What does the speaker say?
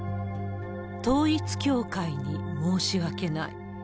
統一教会に申し訳ない。